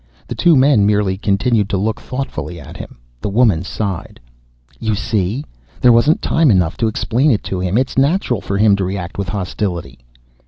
The two men merely continued to look thoughtfully at him. The woman sighed, "You see? There wasn't time enough to explain it to him. It's natural for him to react with hostility."